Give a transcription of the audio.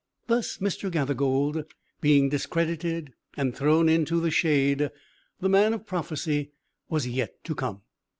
Thus, Mr. Gathergold being discredited and thrown into the shade, the man of prophecy was yet to come.